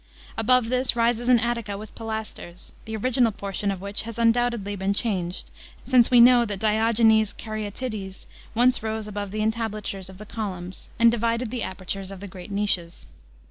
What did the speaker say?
Above this rises an attica with pilasters, the original portion of which has undoubtedly been changed, since we know that Diogenes' Caryatides once rose above the entablatures of the columns, and divided the apertures of the great niches.